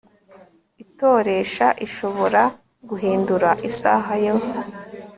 itoresha ishobora guhindura isaha yo